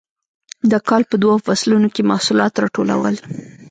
د کال په دوو فصلونو کې محصولات راټولول.